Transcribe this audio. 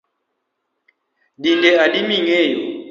Dinde adi mingeyo